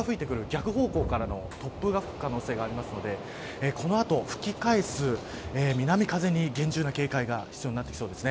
逆方向からの突風が吹く可能性があるのでこの後、吹き返す南風に厳重な警戒が必要になってきそうです。